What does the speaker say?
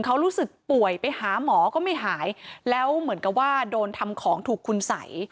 เขารู้สึกป่วยไปหาหมอก็ไม่หายแล้วเหมือนกับว่าโดนทำของถูกคุณสัย